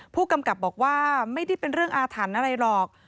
ผู้กำกับบอกว่าไม่ได้เป็นเรื่องอาถรรพ์อะไรหรอก